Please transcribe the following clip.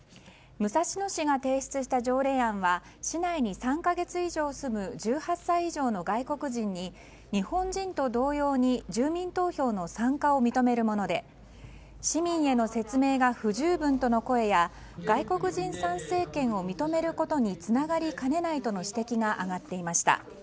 武蔵野市が提出した条例案は市内に３か月以上住む１８歳以上の外国人に日本人と同様に住民投票の参加を認めるもので市民への説明が不十分との声や外国人参政権を認めることにつながりかねないとの指摘が挙がっていました。